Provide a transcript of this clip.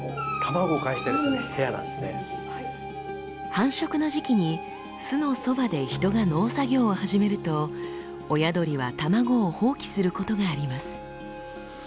繁殖の時期に巣のそばで人が農作業を始めると親鳥は卵を放棄することがあります。